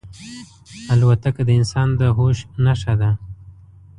الوتکه د انسان د هوش نښه ده.